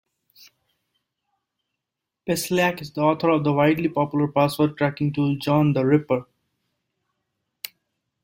Peslyak is the author of the widely popular password cracking tool John the Ripper.